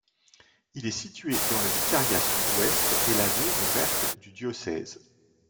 Il est situé dans le vicariat Sud-Ouest et la zone verte du diocèse.